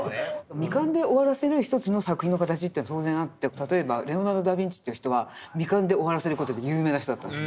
未完で終わらせる一つの作品の形というのは当然あって例えばレオナルド・ダビンチという人は未完で終わらせる事で有名な人だったんです。